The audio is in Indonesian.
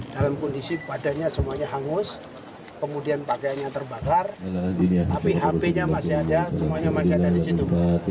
dalam kondisi badannya semuanya hangus kemudian pakaiannya terbakar tapi hp nya masih ada semuanya masih ada di situ